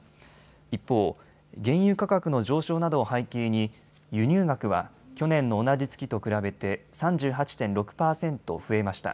一方、原油価格の上昇などを背景に輸入額は去年の同じ月と比べて３８．６％増えました。